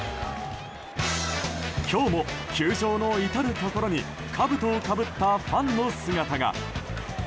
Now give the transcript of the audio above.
今日も球場の至るところにかぶとをかぶったファンの姿が。